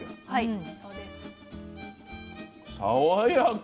はい。